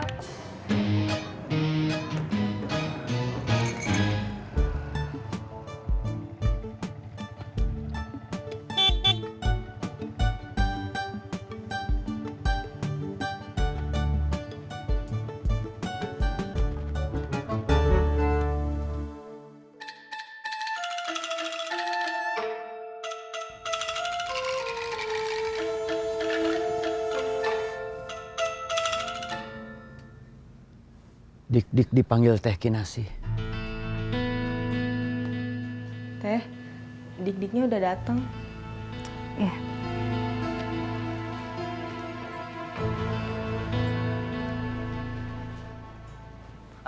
hai dik dik dipanggil teh kinasi teh dik diknya udah datang ya